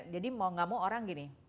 mau gak mau orang gini